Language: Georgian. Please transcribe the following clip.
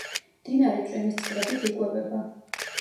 მდინარე წვიმის წყლებით იკვებება.